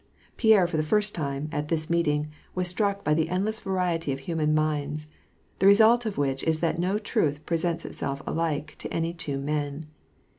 Pierre for the first time, at this meeting, was struck by the endless variety of human minds, the result of which is that no truth presents itself alike to any two men.